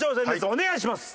お願いします。